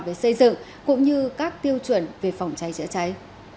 về xây dựng cũng như các tiêu chuẩn về phòng cháy chữa cháy